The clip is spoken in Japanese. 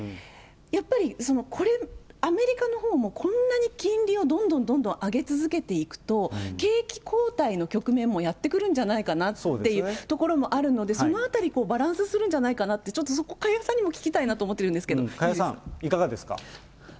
やっぱりこれ、アメリカのほうもこんなに金利をどんどんどんどん上げ続けていくと景気後退の局面もやってくるんじゃないかなっていうところもあるので、そのあたり、バランスするんじゃないかなと、ちょっと、加谷さんにも聞きたい加谷さん、いかがですか。